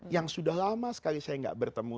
yang sudah lama sekali saya nggak bertemu